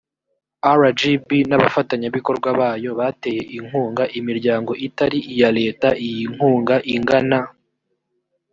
rgb n abafatanyabikorwa bayo bateye inkunga imiryango itari iya leta iyi nkunga ingana